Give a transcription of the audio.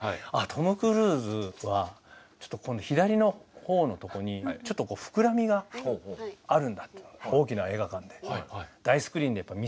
トム・クルーズはちょっとこの左のほおのとこにちょっと膨らみがあるんだというのを大きな映画館で大スクリーンで見つけました。